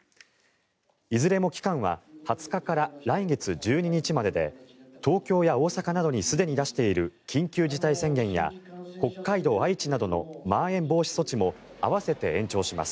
いずれも期間は２０日から来月１２日までで東京や大阪などにすでに出している緊急事態宣言や北海道、愛知などのまん延防止措置も併せて延長します。